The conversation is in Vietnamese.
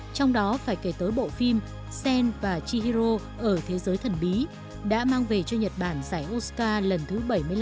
trong đó phải kể tới bộ phim sen và chihiro ở thế giới thần bí đã mang về cho nhật bản giải oscar lần thứ bảy mươi năm